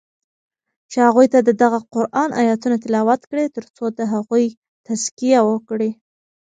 چی هغوی ته ددغه قرآن آیتونه تلاوت کړی تر څو د هغوی تزکیه وکړی